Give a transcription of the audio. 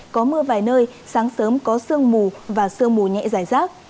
có mưa vài nơi sáng sớm có sương mù và sương mù nhẹ dài rác